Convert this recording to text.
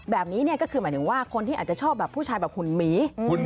แบบนี้เนี่ยก็คือหมายถึงว่าคนที่อาจจะชอบแบบผู้ชายแบบหุ่นหมี